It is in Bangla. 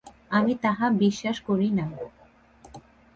আমি তাহা বিশ্বাস করি না।